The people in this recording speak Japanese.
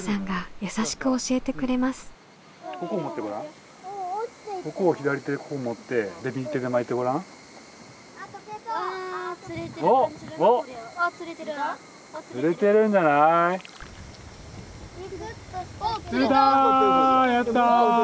やった。